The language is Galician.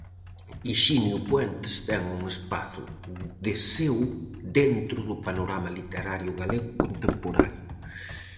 Hixinio Puentes ten un espazo de seu dentro do panorama literario galego contemporáneo.